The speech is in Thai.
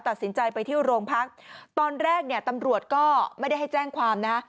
ตัดสินใจไปเที่ยวโรงพักตอนแรกเนี่ยตำรวจก็ไม่ได้ให้แจ้งความนะ